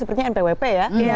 sepertinya npwp ya